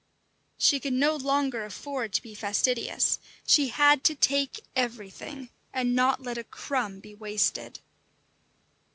She could no longer afford to be fastidious; she had to take everything, and not let a crumb be wasted.